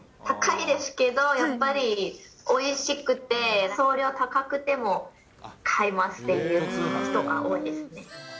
高いですけど、やっぱりおいしくて、送料高くても買いますっていう人が多いですね。